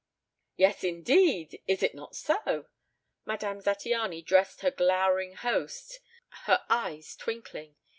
"Yes, indeed! Is it not so?" Madame Zattiany addressed her glowering host, her eyes twinkling.